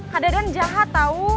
keadaan jahat tau